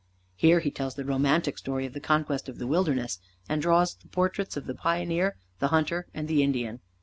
Here he tells the romantic story of the conquest of the wilderness, and draws the portraits of the pioneer, the hunter, and the Indian.